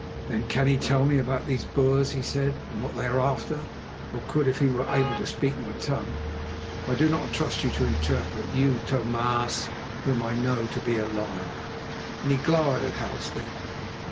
"Then he can tell me about these Boers," he said, "and what they are after, or could if he were able to speak my tongue. I do not trust you to interpret, you Tho maas, whom I know to be a liar," and he glowered at Halstead.